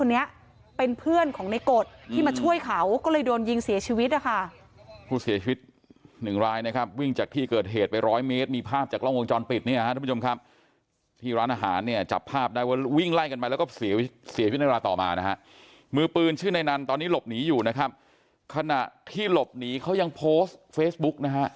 เนี้ยเป็นเพื่อนของในกฎที่มาช่วยเขาก็เลยโดนยิงเสียชีวิตนะคะผู้เสียชีวิตหนึ่งรายนะครับวิ่งจากที่เกิดเหตุไปร้อยเมตรมีภาพจากกล้องวงจรปิดเนี่ยฮะทุกผู้ชมครับที่ร้านอาหารเนี่ยจับภาพได้ว่าวิ่งไล่กันมาแล้วก็เสียชีวิตในเวลาต่อมานะฮะมือปืนชื่อในนั้นตอนนี้หลบหนีอยู่นะครับขณะที่หลบหนีเขายังโพสต์เฟซบุ๊กนะฮะ